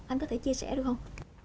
anh có thể chia sẻ được không